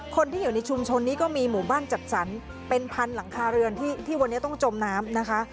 คนที่อยู่ในชุมชนนี้ก็มีหมู่บ้านจัดสรรเป็นพันหลังคาเรือนที่วันนี้ต้องจมน้ำนะคะ